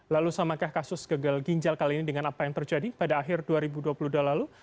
lalu samakah kasus gagal ginjal kali ini dengan apa yang terjadi pada akhir dua ribu dua puluh dua lalu